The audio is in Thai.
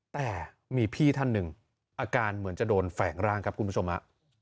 แต่มีพี่ท่านหนึ่งอาการเหมือนจะโดนแฝงร่างครับคุณผู้ชมฮะ